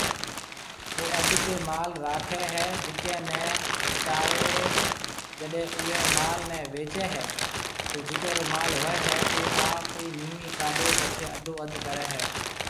او اڌ تيَ مال راکيَ ھيََََ جڪيَ نيَ چارَي جڏَي اوئيَ مال نيَ وچيَ ھيََََ تو جڪيَ رو مال ھوئيَ ھيََََ او آپرِي نيمي ڪاڊَي پڇيَ اڌو اڌ ڪرَي ھيَََ